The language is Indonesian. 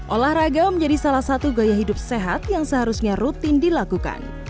olahraga menjadi salah satu gaya hidup sehat yang seharusnya rutin dilakukan